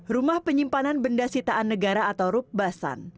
rumah penyimpanan benda sitaan negara atau rupbasan